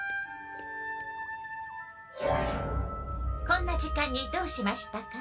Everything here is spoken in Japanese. こんな時間にどうしましたか？